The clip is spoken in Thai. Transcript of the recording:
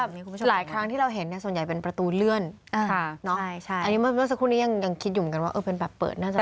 เมื่อสักครู่นี้ยังคิดอยู่เหมือนกันว่าเป็นแบบเปิดน่าจะดีขอ